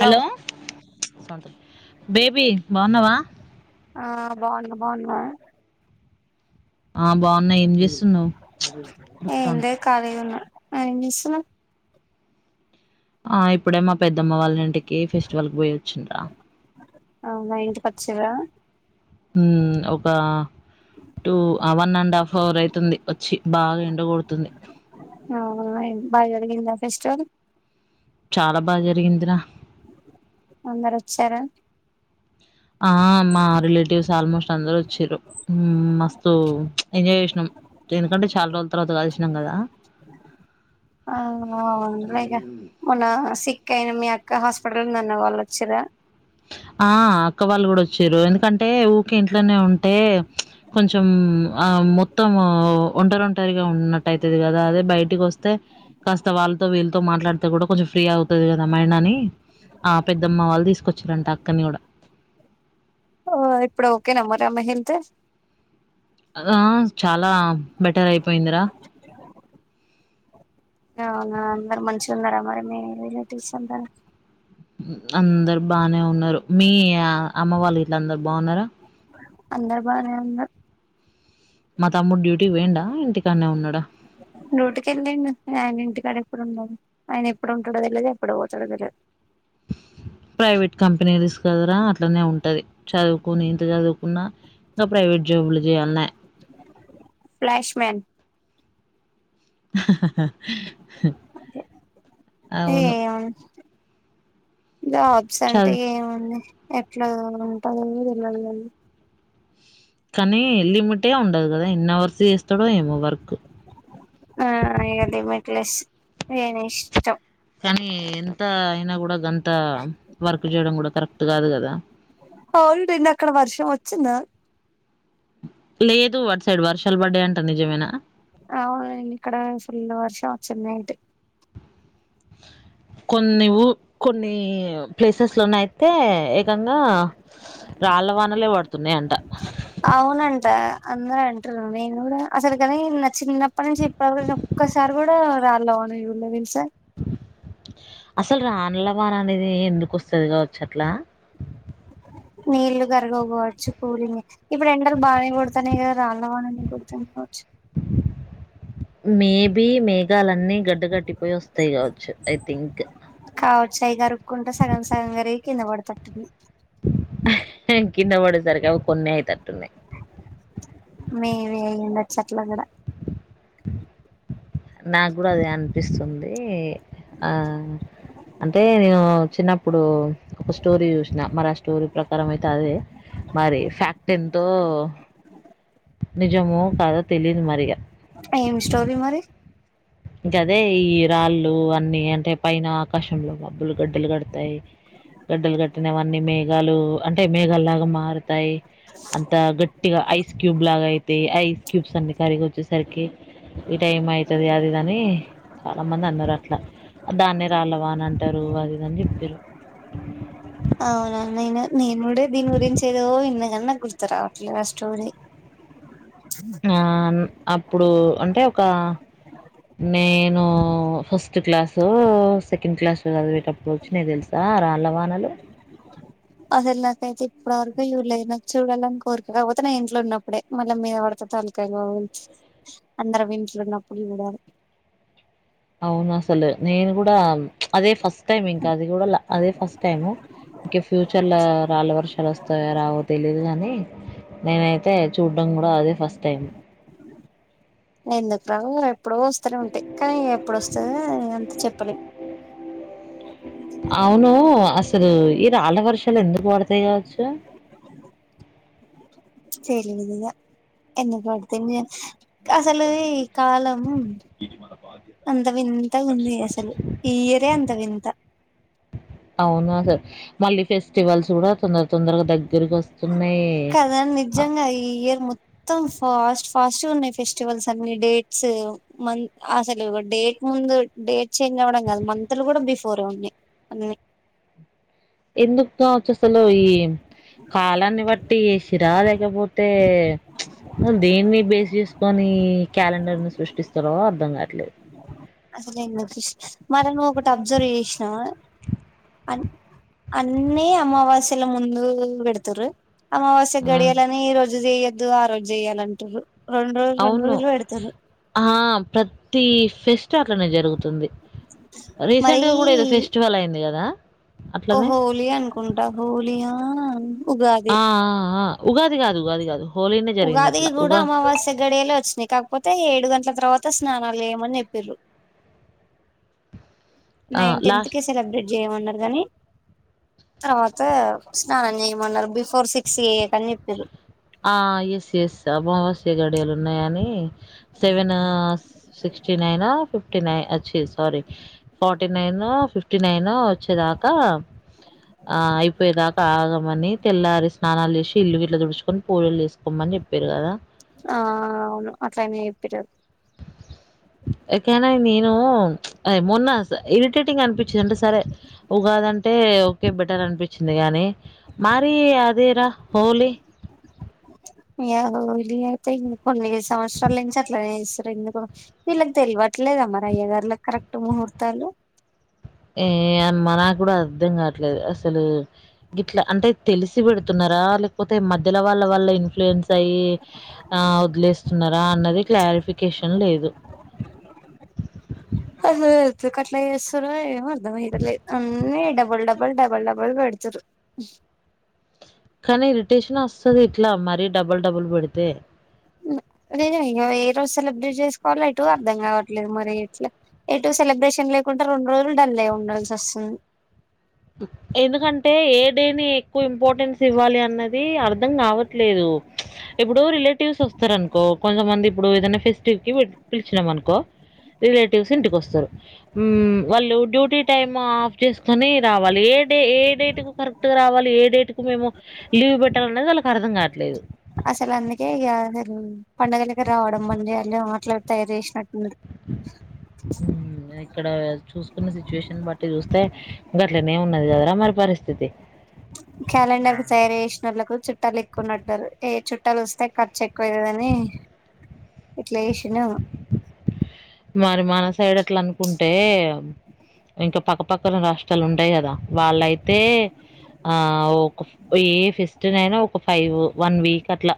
Hello baby బాగున్నావా ఆ బాగున్నా బాగున్నావా ఆ బాగున్నా ఏం చేస్తున్నావ్వు ఎం చేస్తున్నావు ఆ ఇప్పుడే మా పెద్దమ్మ వాళ్ళ ఇంటికి ఫెస్టివల్కి పోయు అవునా ఇంటికి వచ్చిరా, ఊ ఒకా two one and half hour అవుతుంది వచ్చి బాగా ఎండకూడుతుంది. ఆ బాగా జరిగిందా ఫెస్టివల్ చాలా బాగా జరిగిందిరా అందరు వచ్చారా ఆ మా రిలేటివ్స్ ఆల్మోస్ట్ అందరు వచ్చారు మ ఒ ఎంజాయ్ చేసినాం ఎందుకంటే చాలా రోజుల తర్వాత కలిసినాం కదా, ఆవు మున్న అసి ఇంకా అయినా మీ అక్క హాస్పిటల్లో ఉంది అన్నావు వాళ్ళు వచ్చిరా ఆ! ఊకె ఇంట్లోనే ఉంటే కొంచెం ఆ మొత్తం ఒంటరి ఒంటరిగా ఉన్నటు అయితది కదా అదే బయటికి వస్తే కాస్త వాళ్ళతో వీళ్ళతో మాట్లాడితే కూడా కొంచెం ఫ్రీ అవుతది ఏమోనన్ని ఆ పెద్దమ్మ వాళ్ళు తీసుకొచ్చారంట అక్కని కూడా ఆఓ ఇప్పుడు ఓకే నా ఆమె హెల్త్ అదా చాలా బెటర్ అయిపోయిందిరా, అవునా అందరు మంచిగా ఉన్నారా మరి మీ రిలేటివ్స్ అందరు, అందరు బానే ఉన్నారు మీ అమ్మ వాళ్ళు గిట్లా అందరు బావున్నారా? అందర్ బానే ఉన్నం మా తమ్ముడు డ్యూటీ డ్యూటీ కి వెళ్ళాండి ఆయన ఇంటికాడ ఎప్పుడు ఉండాల ఆయన ఎప్పుడు ఉంటాడో తెలిదు ఎప్పుడు పోతాడో తెలిదు, ప్రైవేట్ కంపనీ రస్ కదరా అట్లనే ఉంటది చదువుకుని ఇంత చదువుకున్నా ఇంకా ప్రైవేట్ జాబులు చేయాలన్నా ఫ్లాష్ మ్యాన్ అహహా అవును. ఏమో జాబ్స్ అంటే చదు ఏముంది ఎట్లా ఉంటంది తెల్వా కనీ లిమిట్ ఆ ఉండదు కదా ఎన్నో వర్స్ చేస్తాడో ఏమో వర్క్ నీ ఇష్టం కానీ ఎంత అయినా కూడా గంత అంత వర్క్ చేయడం కూడా కరెక్ట్ కాదు కదా అవును నిన్న అక్కడ వర్షం వచ్చిందా లేదు అటు సైడ్ వర్షాలు పడ్డాయి అట నిజమేనా అవును ఇక్కడ ఫుల్ వర్షం వచ్చింది నైట్ కొన్నివు కొన్ని ప్లేసెస్ లోనే అయితే ఏకంగా రాళ్ళ వానలే పడుతున్నాయ అంట అవునంటా నేను కూడా అసలు కాని నచ్చి చిన్నప్పటి నుంచి ఇప్పుటిరి ఒక్కసారి కూడా రాళ్లోవాను చుడ్లే తెలుసా అసలు రాన్ల వార అనేది ఎందుకు వస్తది కావచ్చు అట్లా నీళ్లుగా వచ్చు కూలింగ్ ఇప్పుడు ఎండలు బాగానే కొడతాన్నాయి కదా రాన్న వా కొడుతు కావచ్చు మేబి మేఘాలన్నీ గడ్డ గట్టిపోయి వస్తాయి కావచ్చు ఐ థింక్ చయి కరుక్కుంటా సగం సగం గారి కింద పడుతట్ది కింద పడేసరికి అవి కొన్ని అయి తట్టున్నాయి మేవే అయ్యండ వచ్చ అట్ల కూడా నాకు కూడా అది అనిపిస్తుంది ఆ అంటే నేను చిన్నప్పుడు ఒక స్టోరీ చూసినా మరి ఆ స్టోరీ ప్రకారం అయితే అదే మరి ఫ్యాక్ట్ ఎంతో నిజము కాద తెలీదు మరిగా ఏం స్టోరీ మరి గాదె ఇంకా అదే ఈ రాళ్ళు అన్ని అంటే పైన ఆకాశంలో మబ్బులు గడ్డలు కడతాయి గడ్డలు కట్టినవన్నీ మేఘాలు అంటే మేఘాలు లాగా మారుతాయి అంత గట్టిగా ఐస్ క్యూబ్ లాగా అయితే ఐస్ క్యూబ్స్ అన్ని కరిగి వచ్చేసరికి ఈ టైమ్ అయివుతుది అది ని చాలా మంది అన్నారు అట్లా దాన్నే రాళ్లవా అని అంటారు అది ఇదని చెప్పారు అవునా నేను నేనుడే దీని గురించి ఏదో ఇన్నకన్నా గుర్తు రావట్లేదు ఆ స్టోరీ ఆ అప్పుడు అంటే ఒక నేను ఫస్ట్ క్లాసు సెకండ్ క్లాస్ కదిపేటప్పుడు వచ్చి నేను తెలుసా రా రాళ్ల వానలు అసలు నాకైతే ఇప్పటివరకు చూడాలే నాకు చూడాలని కోరికకపోతే నా ఇంట్లో ఉన్నప్పుడే మళ్ళీ మీద పడత తాలకాయ కావచ్చు అందరం ఇంట్లోన్నప్పుడు చూడాలి అవును అసలు నేను కూడా అదే ఫస్ట్ టైమ్ ఇంకా అది కూడా అదే ఫస్ట్ టైము ఇంక ఫ్యూచర్ లో రాళ్ళు వర్షాలు వస్తాయ రావో తెలీదు గాని నేనైతే చూడ ఎందుకు రావు ఎప్పుడో వస్తనే ఉంటాయి కానీ ఇప్పుడుస్తంది అంత చెప్పలే అవును అ ఇది ఈ రాళ్ళ వర్షాం ఎందుకు పడతాయి కావచ్చు తెలిదుగా ఎందుకు పడుతున్నాయో అసలి ఈ కాలం అంత వింత గా ఉంది అసలు ఈ ఇయరే అంత వింత అవునా సార్ మళ్ళీ ఫెస్టివల్స్ కూడా తొందర తొందరగా దగ్గ కాద నిజంగా ఈ ఇయర్ మొత్తం ఫస్ట్ ఫాస్ట్ గాఉన్నాయి ఫెస్టివల్స్ అన్ని డేట్స్ అసలు డేట్ ముందు డేట్ చేంజ్ వడం కాదు మంత్ లు కూడా బిఫోరే ఉన్నాయి అన్ని అ ఎందుకు కావచ్చు అసలు ఈ కాలాన్ని బట్టి సిరా లేక పొతు తే దేన్ని బేస్ చేసుకొని క్యాలెండర్ ని సృష్టిస్తారో అర్ధం కావట్లేదు మనము ఒకటి అబ్జర్వ్ చేసినావా అన్ని అమావాస్య లో ముందు పెడుతారు అమావాస్య ఆ! గడియాలని ఈ రోజు చేయొద్దు ఆ రోజు చేయాలంటారు అవును ఆ ప్రతి ఫెస్ట్ అట్లానే జరుగుతుంది మరి రీసెంట్ గా కూడా ఏదో ఫెస్టివల్ అయింది కదా వొ హోళీ అనుకుంటా హోళియా ఆ ఉగాది కాదు ఉగాది కాదు ఉగాదికి కూడా అమావాస్య గడియలే వచ్చినాయి కాకపోతే ఏడు గంట గాట్ల తర్వాత స్నానాలు చేయమని చెప్పిర్రు ఆ! నైన్ టెన్త్ లాస్ట్ కే సెలబ్రేట్ చేయమన్నారు కానీ తర్వాత స్నానం చేయమన్నారు బిఫోర్ సిక్స్ చేయకండి చెప్పిండ్రు ఆ ఎస్ ఎస్ అమావాస్య గాడియాలు ఉన్నాయని సెవెన్ సిక్స్ టీ నైన ఫిఫ్ ఫిఫ్టీ నైన్ వచ్చి sorry forty nine fifty nine వచ్చేదాకా ఆ అయిపోయేదా ఆగమని తెల్లారి స్నానాలు చేసి ఇల్లు గీట్లా దుడుచు కొని పూజలు తీసుకోమని చెప్పిర్రు కదా ఆ అవును అట్లా నే చెప్పినారు ఇట్లానే నేను మొన్న ఇరిటేటింగ్ అనిపించింది అంటే సరే ఒక అంటే ఓకే బెటర్ అనిపించింది గాని మరి అదిరా హోలీ కొన్ని సంవత్సరాల నుంచి అట్లానే చేస్తాం వీళ్ళకి తెలివట్లేద మరి అయ్యవారులకు కరెక్ట్ ముహూర్తాలు నాక్కూడ అర్ధం కావట్లేదు అసలు ఇట్లా అంటే తెలిసి పెడుతున్నా లేకపోతే మధ్యలో వాళ్ళ వల్ల ఇన్ఫ్ లేయెన్స్ ఆ వదిలేస్తున్నారా అన్నది క్లారిఫికేషన్ లేదు అయ్యో ఎందుకు అట్లా చేస్తురో ఏమో అర్థం అయితాలేదు అన్నీ డబల్ డబల్ డబల్ డబల్ బెడ్తురు కానీ ఇరిటేషన్ వస్తాది ఇట్లా మరీ డబుల్ డబుల్ పెడితే నేను ఇంగ ఏ రోజు సెలబ్రేట్ చేసుకోవాలో ఎటు అర్థం కావట్లేదు మరి ఎట్లా ఎటు సెలబ్రేషన్ లేకుంటే రెండు రోజులు డల్లే ఉండాల్సి వస్తుంది ఎందుకంటే ఏ డే ని ఎక్కువ ఇంపార్టెన్స్ ఇవ్వాలి అన్నది అర్ధం కావట్లేదు ఓ ఇప్పుడు రిలేటివ్స్ వస్తారు అనుకో కొంతమంది ఇప్పుడు ఏదైనా ఫెస్టివ్ కి పిలిచామ్ అనుకో రిలేటివ్స్ ఇంటికొస్తారు మ్మ్ వాళ్ళు డ్యూటీ టైమ్ ఆఫ్ చేసుకొని రావాలి ఏ డే ఏ డేట్ కు కరెక్ట్ గా రావాలి ఏ డేట్ కు మేము లీవ్ పెట్టాలి అన్నది వాళ్ళ అసలు అందుకే ఇక మరి పండుగలకి రావడం అండి [unintelligible] ట్రై చేసినట్టుగా హ్మ్ ఇక్కడ చూసుకున్నది సుషన్ బట్టి చూస్తే గట్లనే ఉన్నది కదరా మరి పరిస్థితి క్యాలెండర్ కు తయారు చేసినలకు చుట్టాలు ఎక్కున్నారు ఏ చుట బట్టలు వస్తే ఖర్చు ఎక్కువయదని ఇట్లా చేసినాము మరి మన సైడ్ అట్లా అనుకుంటే ఇంకా పక్కపక్కన రాష్ట్రాలు ఉంటాయి కదా వాళ్లయితే ఆ ఒక ఏ సిస్టర్ అయినా ఒక ఫైవ్ వన్ వీక్ అట్లా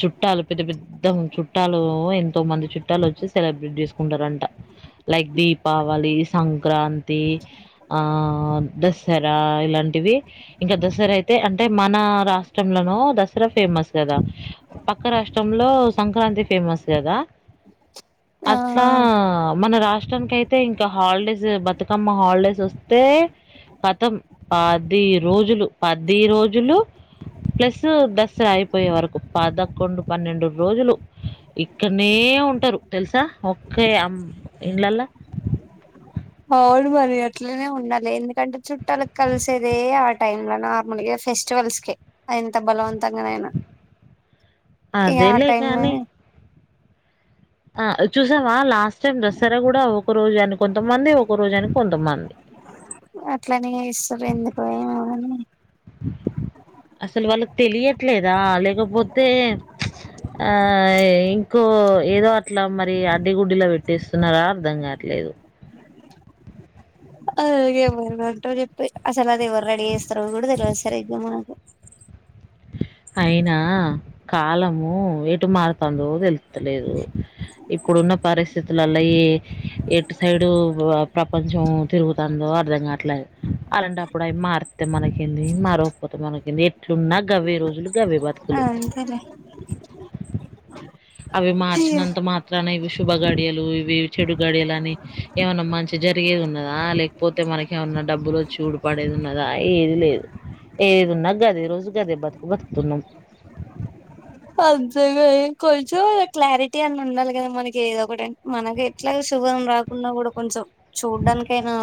చుట్టాలు పే పెద్ద పెద్ద చుట్టాలు ఒహ్హ్ ఎంతో మంది చుట్టాలు వచ్చి సెలబ్రేట్ చేసు ఉంటారంట లైక్ దీపావళి సంక్రాంతి ఆ ద దసరా ఇలాంటివి ఇంకా దసరా అయితే అంటే మన రాష్ట్రంలోనూ దసరా ఫేమస్ కదా పక్క రాష్ట్రంలో సంక్రాంతి ఫేమస్ గదా ఆ అట్లా మన రాష్ట్ర ఇష్టానికైతే ఇంకా హాలిడేస్ బతుకమ్మ హాలిడేస్ వస్తే కతం పాది రోజులు పది రోజులు ప్లస్ దసరా అయిపోయే వరకు పదకొండు పన్నెండు రోజులు ఇక్కనే ఏ ఉంటరు తెలుసా ఒకే అమ్ ఇండ్లలా అవును మరి అట్లనే ఉండాలి ఎందుకంటే చుట్టాల కలిసేదే ఆ టైమ్ లో నార్మల్ ఎస్ ఫెస్టివల్స్ కె అంత బలవంత తంగవైన ఈ ఆ అదేలే టైమ్ కానీ లోనే ఆ చూసావ లాస్ సేమ్ దసారా కూడా ఒక రోజు అని కొంతమంది ఒక రోజుని కొంతమంది అట్లనే ఎస్తారు ఎందుకు ఏమో అని అసలు వాళ్ళుకు తెలియట్లేదా లేకపోతే ఆ ఇంకో ఏదో అట్లా మరి అడ్డగుడ్డిలా పెట్టేస్తున్నార అర్ధం కావట్లేదు అలాగ ఎవరు ఉంటో చెప్పి అసలు అది ఎవరు రెడీ చేస్తారు కూడా తెలియవదు సరే గోమ్మున ఇగ అయినా కాలము ఎటు మారుతుందో తలవత్తలేదు ఇప్పుడు ఉన్న పరిస్థితుల్లో ఈ ఎటు సైడు ప్రపంచం తిరుగుతాందో అర్ధం కాట్లే అలాంటప్పుడు అవి మారితే మనకేంది మారవకపోతే మనకేంది ఎట్లున్నా కవి రోజులు కవే బతు ఆ అంతేలే అవి ఇగ మార్చినంత మాత్రాన ఇవి శుభ గడియలు ఇవి చెడు గడియలు అని ఏమన్నా మంచి జరిగేది ఉన్నదా లేకపోతే మనకేమన్నా డబ్బులు చూడు పడేది ఉన్నదా ఏది లేదు ఏదున్నా గదె రోజు గదె బతుకు బతుకుతున్నాం అంతేగా ఇంకా కొంచెం క్లారిటీ అని ఉండాలి కదా మనకి ఏదో ఒకటి మనకు ఎట్లా చూస్తూ యుగం రాకుండా కూడా కొంచెం చూడ్డానికైనా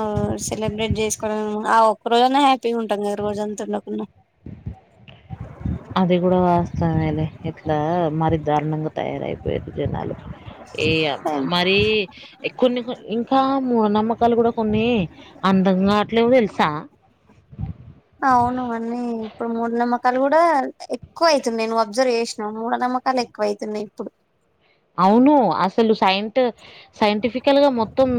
సెలబ్రేట్ చేసుకోవ ఆ ఒక్క రోజునా హ్యాపీగా ఉంటాది కదా రోజంతా లోపలనా అది గూడా వస సమయాల ఇట్లా మరి దారుణంగా తయారైపోయారు జనాలు ఏ అమ్మ మరి కొన్ని ఇంకా మూఢ నమ్మకాలు కూడా కొన్ని అందంగ అట్లేవొ తెలుసా అవున అన్నీ ఇప్పుడు మూడు నమ్మకాలు కూడా ఎక్కువ అయితుంది నేను అబ్జర్వ్ చేసినాను మూఢ నమ్మ మ్మకాలు ఎక్కువ అయితున్నాయి ఇప్పుడు అవును అసలు సైంటు సైంటిఫికల్ గా మొత్తం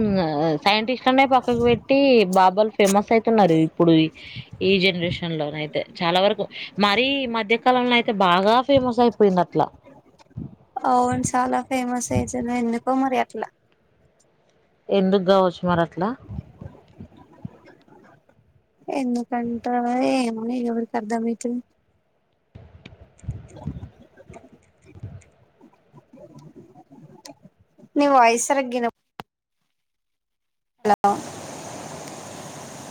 సైంటిస్ట్ అనే పక్కకు పెట్టి బాబల్ ఫ ఫేమస్ అయితున్నారు ఇప్పుడు ఈ జనరేషన్ లో అయితే చాల వరకు మరీ ఈ మధ్య కాలం లో అయితే బాగా ఫేమస్ అయిపోయింది అట్లా అవును చాలా ఫేమస్ ఏజ ఎందుకో మరి అట్లా ఎందుకు కావచ్చు మర అట్లా ఎందుకంట ఏమో ఇ ఎవరికి అర్థం ఐతలే నీ వాయిస్ సరిగ్గా హలో